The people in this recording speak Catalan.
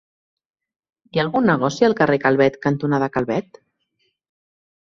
Hi ha algun negoci al carrer Calvet cantonada Calvet?